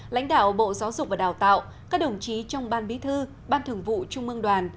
lãnh đạo bộ giáo dục và đào tạo các đồng chí trong ban bí thư ban thường vụ trung mương đoàn